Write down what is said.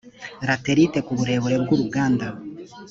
laterite ku burebure bw uruganda